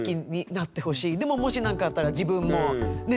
でももしなんかあったら自分もね。